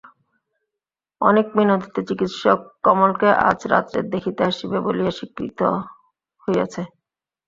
অনেক মিনতিতে চিকিৎসক কমলকে আজ রাত্রে দেখিতে আসিবে বলিয়া স্বীকৃত হইয়াছে।